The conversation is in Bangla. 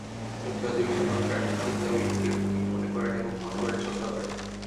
যুক্তরাজ্যে বেশিরভাগই রানীকেই তাদের ঐক্যের প্রতীক মনে করেন এবং মনেপ্রাণে শ্রদ্ধা করেন।